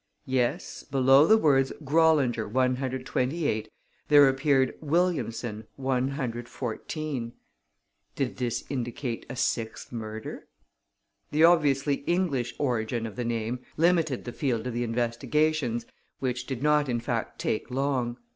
Yes, below the words "Grollinger, 128," there appeared "Williamson, 114." Did this indicate a sixth murder? The obviously English origin of the name limited the field of the investigations, which did not in fact take long.